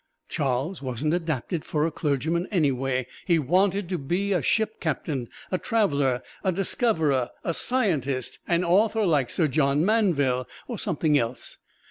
Charles wasn't adapted for a clergyman, anyway; he wanted to be a ship captain, a traveler, a discoverer, a scientist, an author like Sir John Mandeville, or something else.